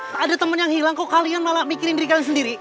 tak ada teman yang hilang kok kalian malah mikirin diri kalian sendiri